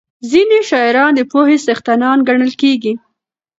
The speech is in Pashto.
ځینې شاعران د پوهې څښتنان ګڼل کېږي.